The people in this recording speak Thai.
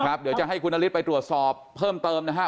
เดี๋ยวจะให้คุณนฤทธิ์ไปตรวจสอบเพิ่มเติมนะฮะ